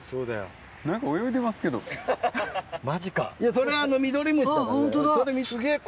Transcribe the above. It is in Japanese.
それミドリムシ。